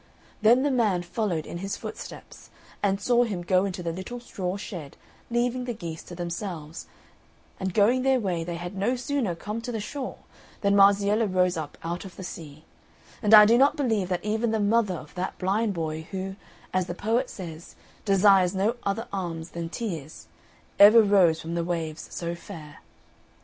Then the man followed in his footsteps, and saw him go into the little straw shed, leaving the geese to themselves; and going their way they had no sooner come to the shore than Marziella rose up out of the sea; and I do not believe that even the mother of that blind boy who, as the poet says, "desires no other alms than tears," ever rose from the waves so fair.